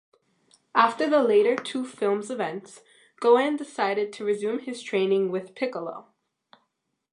After the latter two films' events, Gohan decides to resume his training with Piccolo.